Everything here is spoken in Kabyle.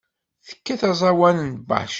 Tekkat aẓawan n Bach.